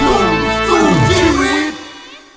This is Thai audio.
ภูมิสุภาพยาบาลภูมิสุภาพยาบาล